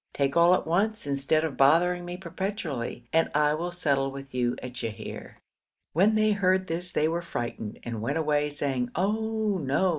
Take all at once instead of bothering me perpetually, and I will settle with you at Sheher.' When they heard this they were frightened, and went away, saying 'Oh! No!